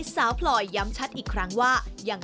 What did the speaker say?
เธออยากให้ชี้แจ่งความจริง